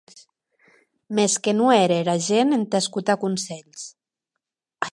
Mès que non ère era gent entà escotar conselhs!